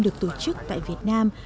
được tổ chức tại việt nam